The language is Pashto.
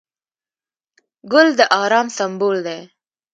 ګل د ارام سمبول دی.